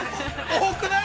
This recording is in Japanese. ◆多くない？